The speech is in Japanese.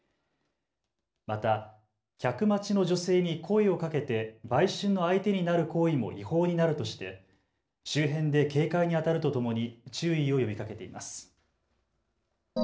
また客待ちの女性に声をかけて売春の相手になる行為も違法になるとして周辺で警戒にあたるとともに注意を呼びかけています。